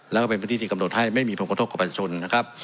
แล้วก็เป็นพื้นที่ที่กำหนดให้ไม่มีผลกระทบกับประชาชนนะครับ